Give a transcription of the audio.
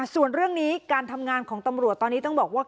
ส่วนเรื่องนี้การทำงานของตำรวจตอนนี้ต้องบอกว่า